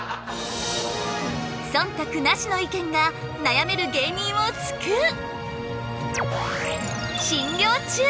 そんたくなしの意見が悩める芸人を救う！